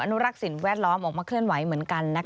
รักสิ่งแวดล้อมออกมาเคลื่อนไหวเหมือนกัน